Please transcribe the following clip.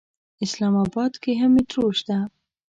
اسلام اباد کې هم مېټرو شته.